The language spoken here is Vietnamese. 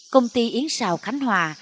công ty yến rào khánh hòa